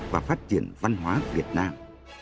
và phát triển văn hóa việt nam